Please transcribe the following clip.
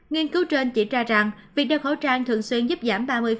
nghiên cứu trên chỉ ra rằng việc đeo khẩu trang thường xuyên giúp giảm ba mươi